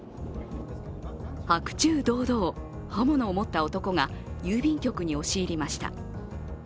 白昼堂々、刃物を持った男が郵便局に押し入りました。